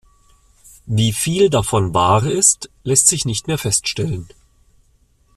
Wie viel davon wahr ist, lässt sich nicht mehr feststellen.